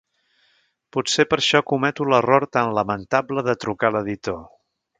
Potser per això cometo l'error tan lamentable de trucar l'editor.